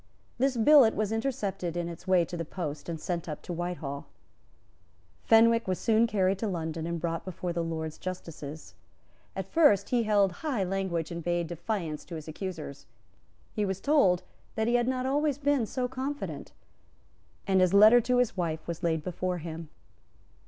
This billet was intercepted in its way to the post, and sent up to Whitehall. Fenwick was soon carried to London and brought before the Lords Justices. At first he held high language and bade defiance to his accusers. He was told that he had not always been so confident; and his letter to his wife was laid before him.